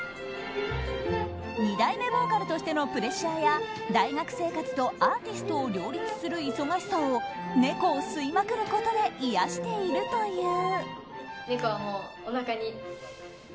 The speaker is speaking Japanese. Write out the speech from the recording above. ２代目ボーカルとしてのプレッシャーや大学生活とアーティストを両立する忙しさを猫を吸いまくることで癒やしているという。